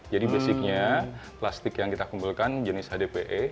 basicnya plastik yang kita kumpulkan jenis hdpe